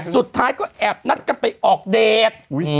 สุดท้ายก็แอบนัดกันไปออกเดท